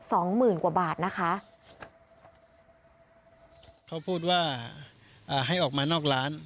สองหมื่นกว่าบาทนะคะเขาพูดว่าอ่าให้ออกมานอกร้าน